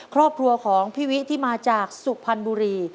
ครอบครัวของพี่วิที่มาจากสุพรรณบุรี